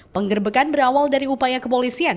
penggerbekan berawal dari upaya kepolisian